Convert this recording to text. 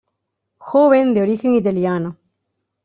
Joven de origen italiano.